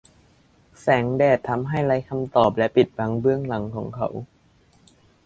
แสงแดดทำให้ไร้คำตอบและปิดบังเบื้องหลังของเขา